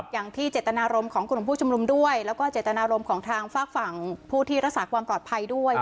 อย่างที่เจตนารมณ์ของกลุ่มผู้ชุมนุมด้วยแล้วก็เจตนารมณ์ของทางฝากฝั่งผู้ที่รักษาความปลอดภัยด้วย